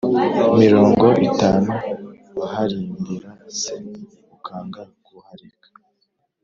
Mirongo itanu waharimbura se ukanga kuhareka